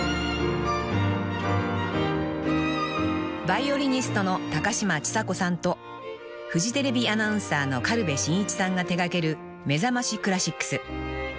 ［ヴァイオリニストの高嶋ちさ子さんとフジテレビアナウンサーの軽部真一さんが手掛ける『めざましクラシックス』］